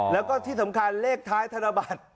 แล้วก็ที่สำคัญเลขท้ายธนบัตร